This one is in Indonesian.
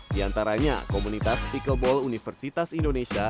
di antaranya komunitas pickleball universitas indonesia